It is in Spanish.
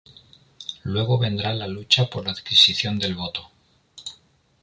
Luego vendrá́ la lucha por la adquisición del voto.